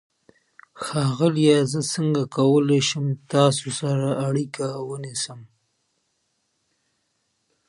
د خوړو مسمومیت د ناپاکو اوبو له امله هم کیږي.